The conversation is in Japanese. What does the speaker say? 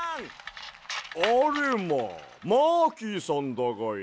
あれまマーキーさんだがや。